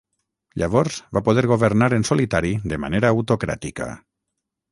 Llavors va poder governar en solitari de manera autocràtica.